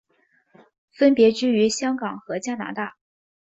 分别居于香港和加拿大。